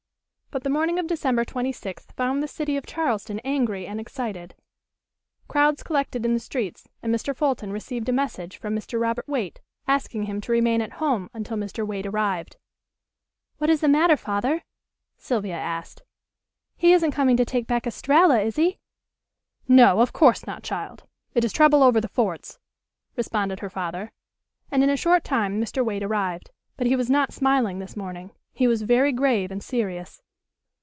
But the morning of December twenty sixth found the city of Charleston angry and excited. Crowds collected in the streets, and Mr. Fulton received a message from Mr. Robert Waite asking him to remain at home until Mr. Waite arrived. "What is the matter, Father?" Sylvia asked. "He isn't coming to take back Estralla, is he?" "No, of course not, child. It is trouble over the forts," responded her father. And in a short time Mr. Waite arrived. But he was not smiling this morning. He was very grave and serious.